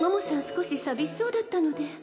少し寂しそうだったので